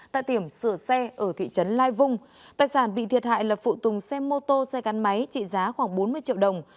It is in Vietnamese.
tại tiệm sửa xe ở thị trấn lai vung tài sản bị thiệt hại là phụ tùng xe mô tô xe gắn máy trị giá khoảng bốn mươi triệu đồng